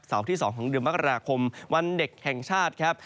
ที่๒ของเดือนมกราคมวันเด็กแห่งชาติครับ